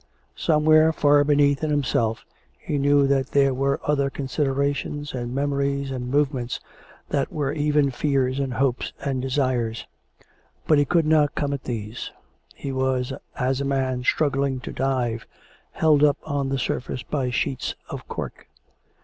Somewhere, far beneath in himself, he knew that there were other considerations and memories and move ments, that were even fears and hopes and desires; but he could not come at these; he was as a man struggling to dive, held up on the surface by sheets of cork.